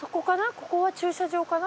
ここは駐車場かな。